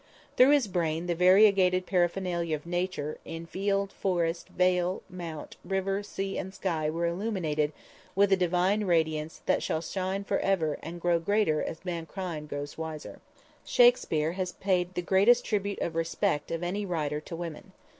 Through his brain the variegated paraphernalia of Nature, in field, forest, vale, mount, river, sea and sky were illuminated with a divine radiance that shall shine forever and grow greater as mankind grows wiser. Shakspere has paid the greatest tribute of respect of any writer to women.